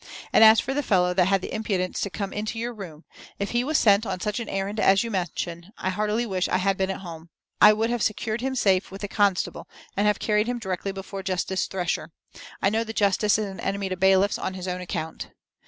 And as for the fellow that had the impudence to come into your room, if he was sent on such an errand as you mention, I heartily wish I had been at home; I would have secured him safe with a constable, and have carried him directly before justice Thresher. I know the justice is an enemy to bailiffs on his own account."